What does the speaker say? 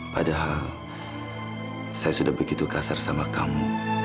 padahal saya sudah begitu kasar sama kamu